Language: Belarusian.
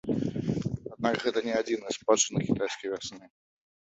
Аднак гэта не адзіная спадчына кітайскай вясны.